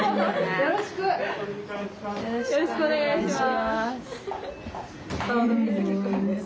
よろしくお願いします。